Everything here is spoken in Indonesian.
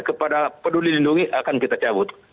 kepada peduli lindungi akan kita cabut